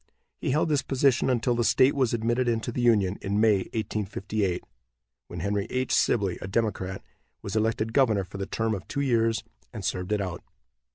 He held this position until the state was admitted into the Union, in May, 1858, when Henry H. Sibley, a Democrat, was elected governor for the term of two years, and served it out.